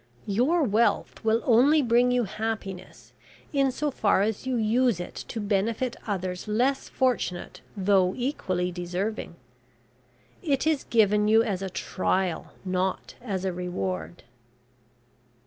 Your wealth will only bring you happiness in so far as you use it to benefit others less fortunate though equally deserving. It is given you as a trial, not as a reward.'